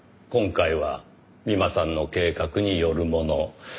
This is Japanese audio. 今回は美馬さんの計画によるもの。